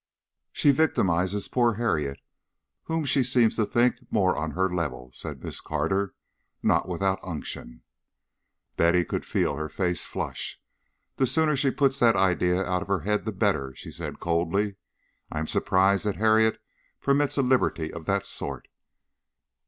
"She victimizes poor Harriet, whom she seems to think more on her level," said Miss Carter, not without unction. Betty could feel her face flush. "The sooner she puts that idea out of her head the better," she said coldly. "I am surprised that Harriet permits a liberty of that sort."